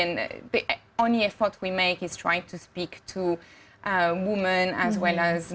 dan usaha yang kami lakukan adalah mencoba untuk berbicara